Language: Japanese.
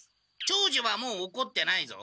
長次はもうおこってないぞ。